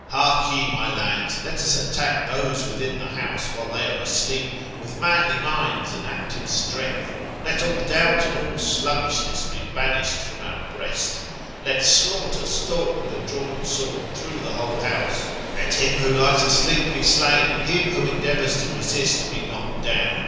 Hark ye, my lads, let us attack those within the house while they are asleep, with manly minds and active strength. Let all doubt, and all sluggishness, be banished 38 rHb METAMORPHOSIS, OR from our breast Let slaughter stalk with a drawn sword through the whole house. Let him who lies asleep be slain ; and him who endeavours to resist be knocked down.